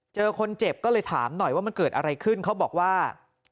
เจอคนเจ็บก็เลยถามหน่อยว่ามันเกิดอะไรขึ้นเขาบอกว่า